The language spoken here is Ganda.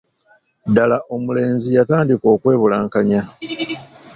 ddaala omulenzi yatandika okwebulankanya.